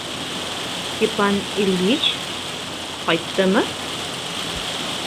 Степан Ильич... ҡайттымы?